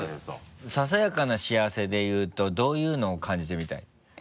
ささやかな幸せでいうとどういうのを感じてみたい？